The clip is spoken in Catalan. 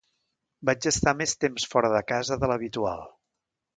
Vaig estar més temps fora de casa de l'habitual.